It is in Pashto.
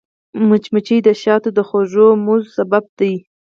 مچمچۍ د شاتو د خوږو مزو سبب ده